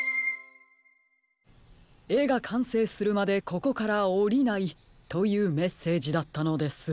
えがかんせいするまでここからおりないというメッセージだったのです。